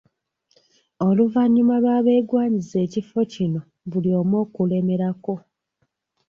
Oluvannyuma lw’abeegwanyiza ekifo kino buli omu okulemerako.